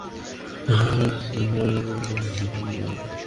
পরের বার যেন আর বলা না লাগে!